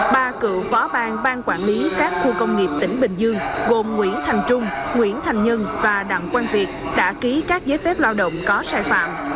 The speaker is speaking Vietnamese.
ba cựu phó bang bang quản lý các khu công nghiệp tỉnh bình dương gồm nguyễn thành trung nguyễn thành nhân và đặng quang việt đã ký các giấy phép lao động có sai phạm